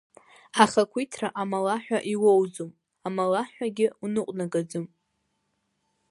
Ахақәиҭра амалаҳәа иуоуӡом, амалаҳәагьы уныҟәнагаӡом.